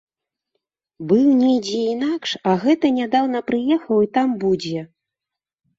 Быў недзе інакш, а гэта нядаўна прыехаў і там будзе.